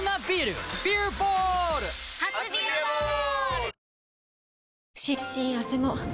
初「ビアボール」！